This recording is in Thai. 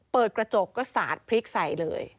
เปิดกระจกก็สาดพริกใส่เลย